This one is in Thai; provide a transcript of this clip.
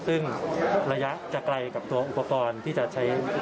ซึ่งระยะจะไกลกับตัวอุปกรณ์ที่จะใช้